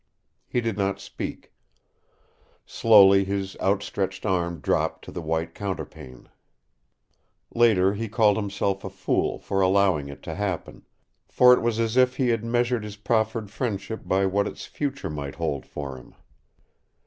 He did not speak. Slowly his outstretched arm dropped to the white counterpane. Later he called himself a fool for allowing it to happen, for it was as if he had measured his proffered friendship by what its future might hold for him.